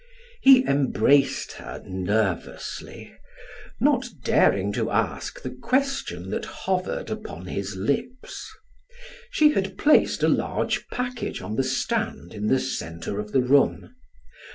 He embraced her nervously, not daring to ask the question that hovered upon his lips. She had placed a large package on the stand in the center of the room.